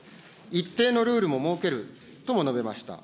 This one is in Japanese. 一定のルールも設けるとも述べました。